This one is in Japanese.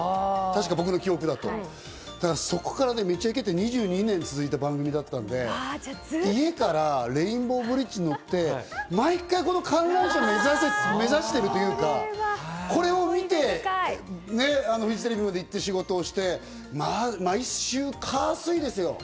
確か、僕の記憶だと。そこから『めちゃイケ』って２２年続いた番組だったんで、家からレインボーブリッジに乗って、毎回、この観覧車を目指してるというか、これを見てフジテレビまで行って仕事をして、毎週火、水ですよ。